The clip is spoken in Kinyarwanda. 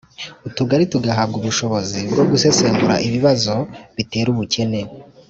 utugari tuzahabwa ubushobozi bwo gusesengura ibibazo bitera ubukene,